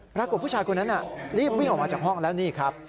ผู้ชายคนนั้นรีบวิ่งออกมาจากห้องแล้วนี่ครับ